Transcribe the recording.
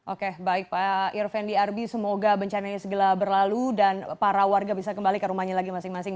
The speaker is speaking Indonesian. oke baik pak irvendi arbi semoga bencana ini segera berlalu dan para warga bisa kembali ke rumahnya lagi masing masing